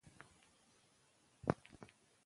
دغه کور چا جوړ کړی دی؟